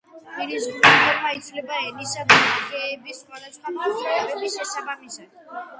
პირის ღრუს ფორმა იცვლება ენისა და ბაგეების სხვადასხვა მოძრაობების შესაბამისად.